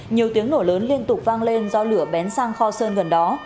nhiều tiếng nổ lớn liên tục vang lên do lửa bén sang kho sơn gần đó